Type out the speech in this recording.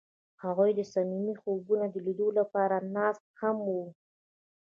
هغوی د صمیمي خوبونو د لیدلو لپاره ناست هم وو.